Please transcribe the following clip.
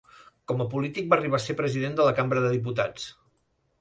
Com a polític va arribar a ser president de la cambra de diputats.